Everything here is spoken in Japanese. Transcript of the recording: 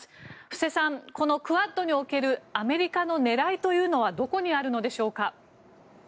布施さん、このクアッドにおけるアメリカの狙いというのはどこにあるのでしょうか。